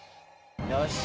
よし。